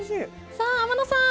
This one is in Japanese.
さあ天野さん